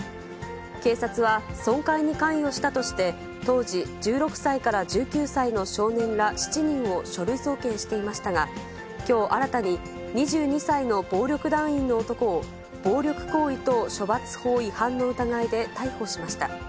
警察は損壊に関与したとして、当時１６歳から１９歳の少年ら７人を書類送検していましたが、きょう、新たに２２歳の暴力団員の男を、暴力行為等処罰法違反の疑いで逮捕しました。